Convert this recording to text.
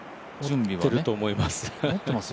持ってると思います。